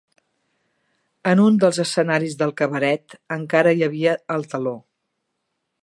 En un dels escenaris del cabaret encara hi havia el teló